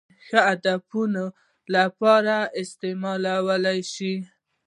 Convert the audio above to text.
د ښو هدفونو لپاره استعمالولای شو.